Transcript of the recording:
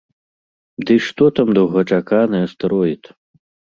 Ды што там доўгачаканы астэроід!